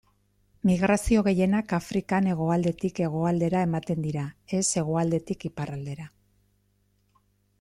Migrazio gehienak Afrikan hegoaldetik hegoaldera ematen dira, ez hegoaldetik iparraldera.